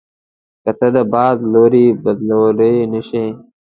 که ته د باد لوری بدلوای نه شې.